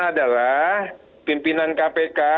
adalah pimpinan kpk